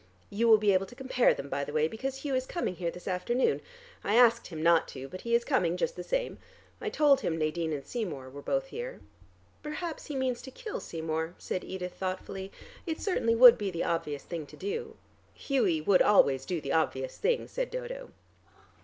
You will be able to compare them, by the way, because Hugh is coming here this afternoon. I asked him not to, but he is coming just the same. I told him Nadine and Seymour were both here." "Perhaps he means to kill Seymour," said Edith thoughtfully. "It certainly would be the obvious thing to do " "Hughie would always do the obvious thing," said Dodo.